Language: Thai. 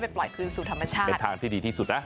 เป็นทางที่ดีที่สุดนะ